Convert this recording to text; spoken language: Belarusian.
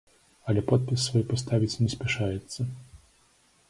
Але подпіс свой паставіць не спяшаецца.